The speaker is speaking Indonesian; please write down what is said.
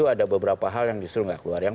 ada beberapa hal yang bisa tidak di disediakan